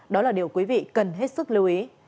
đó là điều quý vị cần hết sức lưu ý